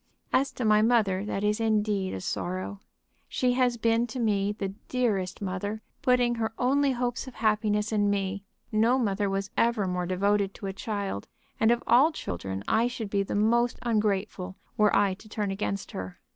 "As to my mother, that is indeed a sorrow. She has been to me the dearest mother, putting her only hopes of happiness in me. No mother was ever more devoted to a child, and of all children I should be the most ungrateful were I to turn against her.